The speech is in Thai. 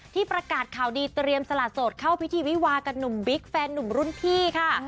ประกาศข่าวดีเตรียมสละโสดเข้าพิธีวิวากับหนุ่มบิ๊กแฟนหนุ่มรุ่นพี่ค่ะ